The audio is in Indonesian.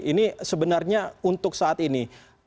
ini sebenarnya untuk saat ini